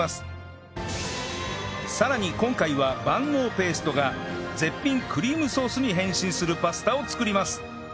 さらに今回は万能ペーストが絶品クリームソースに変身するパスタを作ります